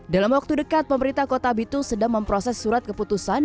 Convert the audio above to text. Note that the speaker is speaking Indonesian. dalam waktu dekat pemerintah kota bitung sedang memproses surat keputusan